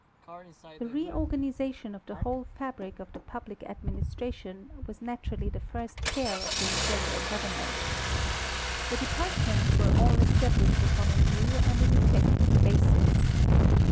The reorganization of the whole fabric of the public adminis tration was naturally the first care of the imperial government. The departments were all established upon a new and an effective basis.